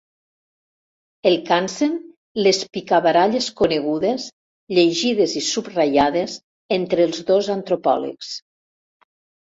El cansen les picabaralles conegudes, llegides i subratllades entre els dos antropòlegs.